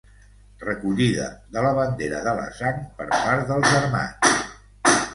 Recollida de la bandera de la Sang per part dels armats.